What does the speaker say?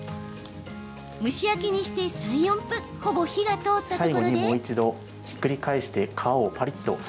蒸し焼きにして３、４分ほぼ火が通ったところで。